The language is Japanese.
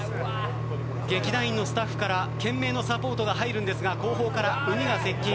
劇団員のスタッフから懸命のサポートが入るんですが後方から鬼が接近。